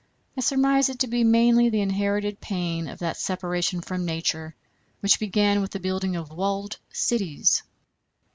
I surmise it to be mainly the inherited pain of that separation from Nature which began with the building of walled cities.